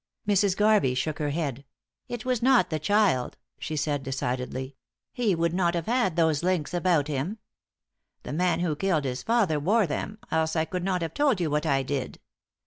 Mrs. Garvey shook her head. "It was not the child," she said, decidedly; "he would not have had those links about him. The man who killed his father wore them, else I could not have told you what I did.